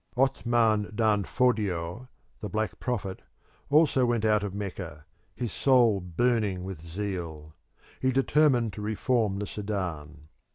Othman Dan Fodio, the Black Prophet, also went out of Mecca, his soul burning with zeal. He determined to reform the Sudan.